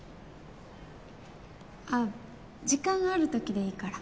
あっ時間あるときでいいから。